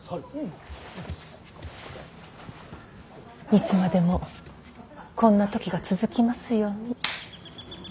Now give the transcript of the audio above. いつまでもこんな時が続きますように。